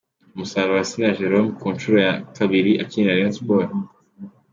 Umusaruro wa Sina Jerôme ku nshuro ya kabiri akinira Rayon Sports.